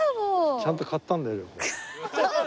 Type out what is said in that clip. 「ちゃんと買ったんだよ」。